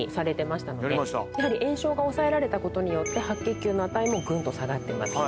やはり炎症が抑えられたことによって白血球の値もグンと下がってます。